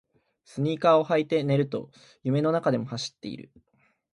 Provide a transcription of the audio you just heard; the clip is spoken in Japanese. スニーカーを履いて寝ると夢の中でも走っている